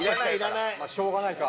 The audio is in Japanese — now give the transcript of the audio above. まあしょうがないか。